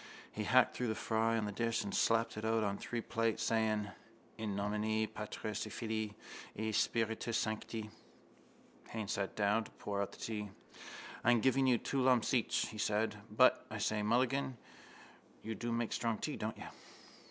He hacked through the fry on the dish and slapped it out on three plates, saying: —In nomine Patris et Filii et Spiritus Sancti. Haines sat down to pour out the tea. —I'm giving you two lumps each, he said. But, I say, Mulligan, you do make strong tea, don't you?